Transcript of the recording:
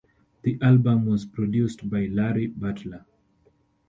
The album was produced by Larry Butler.